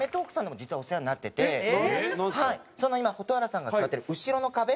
今蛍原さんが座ってる後ろの壁。